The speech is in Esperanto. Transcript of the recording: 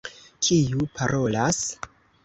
Kiu parolas?